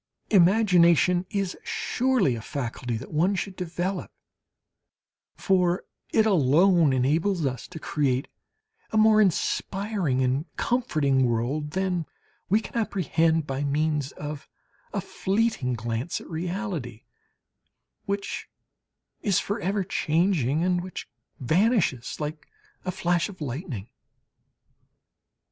Imagination is surely a faculty that one should develop; for it alone enables us to create a more inspiring and comforting world than we can apprehend by means of a fleeting glance at reality, which is for ever changing and which vanishes like a flash of lightning.